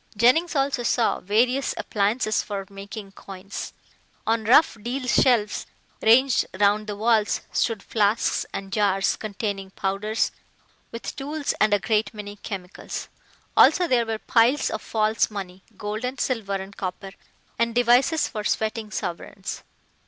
Jennings also saw various appliances for making coins. On rough deal shelves ranged round the walls stood flasks and jars containing powders, with tools and a great many chemicals. Also there were piles of false money, gold and silver and copper, and devices for sweating sovereigns.